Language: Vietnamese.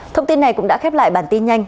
thông tin này cũng đã khép lại bản tin nhanh